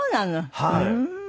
はい。